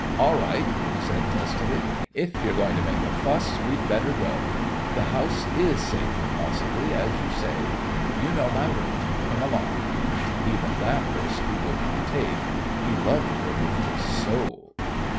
"All right," he said testily; "if you're going to make a fuss, we'd better go. The house is safer, possibly, as you say. You know my room. Come along!" Even that risk he would not take. He loved her with his "soul."